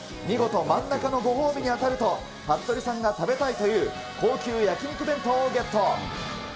見事、真ん中のご褒美に当たると、はっとりさんが食べたいという高級焼き肉弁当をゲット。